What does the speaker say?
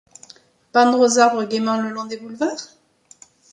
Pendre aux arbres gaîment le long des boulevards ?